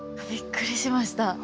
びっくりしました。